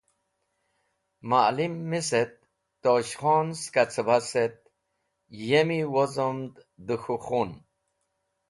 Ma’lim mis et Tosh khon ska cẽbas et yemi wozomd dẽ k̃hũ khun.